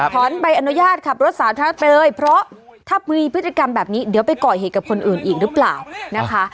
ใบอนุญาตขับรถสาธารณะไปเลยเพราะถ้ามีพฤติกรรมแบบนี้เดี๋ยวไปก่อเหตุกับคนอื่นอีกหรือเปล่านะคะ